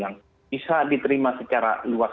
yang bisa diterima secara luas